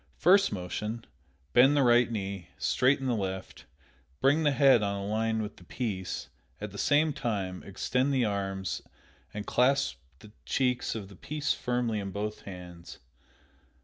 First motion: Bend the right knee, straighten the left, bring the head on a line with the piece; at the same time extend the arms and clasp the cheeks of the piece firmly in both hands.